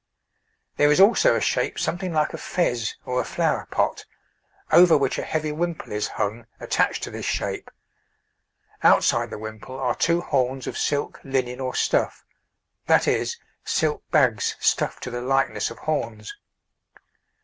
] There is also a shape something like a fez or a flower pot, over which a heavy wimple is hung, attached to this shape; outside the wimple are two horns of silk, linen, or stuff that is, silk bags stuffed to the likeness of horns.